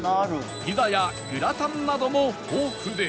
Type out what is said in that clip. ピザやグラタンなども豊富で